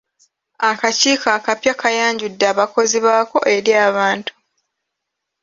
Akakiiko akapya kaayanjudde abakozi baako eri abantu.